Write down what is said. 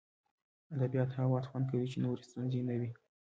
ادبیات هغه وخت خوند کوي چې نورې ستونزې نه وي